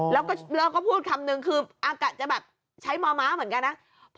แล้วก็พูดคำนึงคืออากาศจะแบบใช้ม้าเหมือนกันนะ